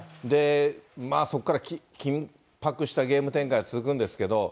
そこから緊迫したゲーム展開が続くんですけど。